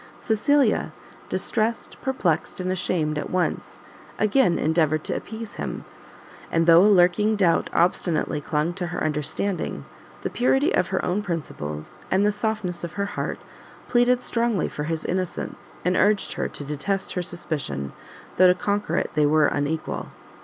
Cecilia, distressed, perplexed, and ashamed at once, again endeavoured to appease him, and though a lurking doubt obstinately clung to her understanding, the purity of her own principles, and the softness of her heart, pleaded strongly for his innocence, and urged her to detest her suspicion, though to conquer it they were unequal.